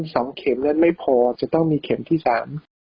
สองเข็มนั้นไม่พอจะต้องมีเข็มที่สาม